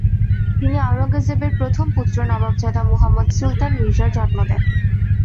তিনি আওরঙ্গজেবের প্রথম পুত্র নবাবজাদা মুহাম্মদ সুলতান মির্জার জন্ম দেন।